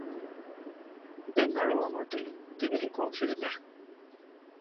ދެން އަޅުވަން އޮތީ ދިވެހި ކޮން ފިލްމެއް؟